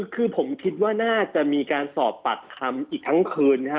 คือผมคิดว่าน่าจะมีการสอบปากคำอีกทั้งคืนนะครับ